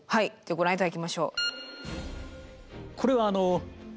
ご覧いただきましょう。